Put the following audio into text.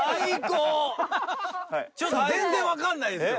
ちょっと全然わかんないですよ。